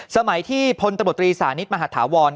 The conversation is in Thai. สมัยที่พลตบตรีสานิทมหาฐาวร